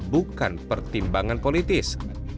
bukan pertimbangan politis